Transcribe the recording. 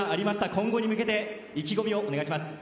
今後に向けて意気込みをお願いします。